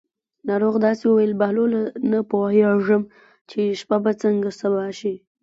ناروغ داسې وویل: بهلوله نه پوهېږم چې شپه به څنګه سبا شي.